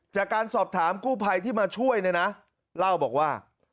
จากการสอบถามกู้ภัยที่มาช่วยเนี่ยนะเล่าบอกว่า